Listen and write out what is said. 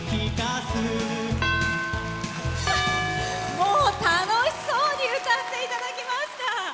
もう楽しそうに歌っていただきました。